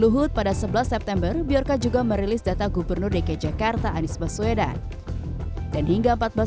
luhut pada sebelas september biarca juga merilis data gubernur dki jakarta anies baswedan dan hingga empat belas